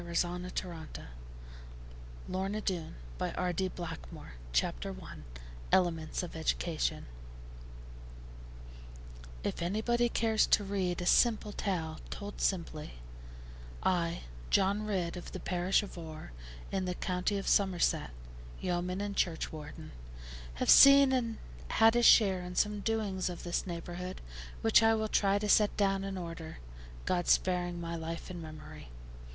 DRIVEN BEYOND ENDURANCE LXXV. LIFE AND LORNA COME AGAIN CHAPTER I ELEMENTS OF EDUCATION If anybody cares to read a simple tale told simply, I, John Ridd, of the parish of Oare, in the county of Somerset, yeoman and churchwarden, have seen and had a share in some doings of this neighborhood, which I will try to set down in order, God sparing my life and memory.